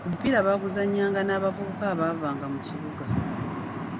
Omupiira baaguzanyanga n'abavubuka abavanga mu kibuga.